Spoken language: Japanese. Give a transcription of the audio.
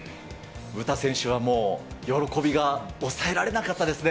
詩選手はもう、喜びが抑えられなかったですね。